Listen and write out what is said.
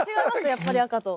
やっぱり赤と。